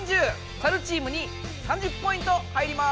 サルチームに３０ポイント入ります。